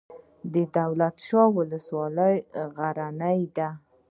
دولت شاه ولسوالۍ غرنۍ ده؟